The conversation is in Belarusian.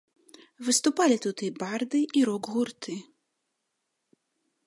Выступалі тут і барды, і рок-гурты.